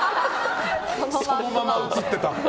そのまま映ってた。